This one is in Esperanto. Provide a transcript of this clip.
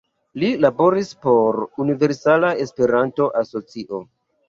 Li laboris por Universala Esperanto Asocio.